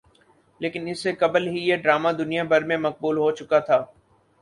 لیکن اس سے قبل ہی یہ ڈرامہ دنیا بھر میں مقبول ہوچکا تھا